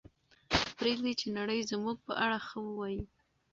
پرېږدئ چې نړۍ زموږ په اړه ښه ووایي.